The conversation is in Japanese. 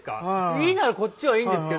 いいならこっちはいいんですけど。